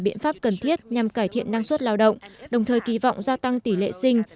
biện pháp cần thiết nhằm cải thiện năng suất lao động đồng thời kỳ vọng gia tăng tỷ lệ sinh